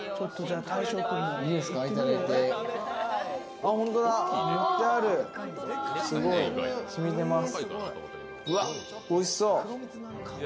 あっホントだ、ぬってある、すごい、染みてます。